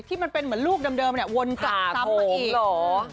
มันเป็นเหมือนลูกเดิมเนี่ยวนกลับซ้ำมาอีก